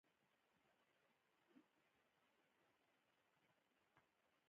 دوی له سویل ختیځې اسیا سره سوداګري کوله.